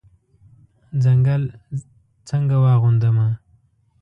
ځنګل څنګه واغوندمه